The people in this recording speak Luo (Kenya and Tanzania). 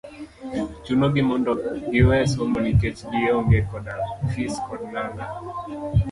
chuno gi mondo giwe somo nikech gi onge koda fis kod nanga.